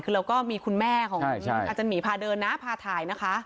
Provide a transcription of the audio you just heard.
คือเราก็มีคุณแม่ของอาจารย์หมีพาเดินนะพาถ่ายนะคะ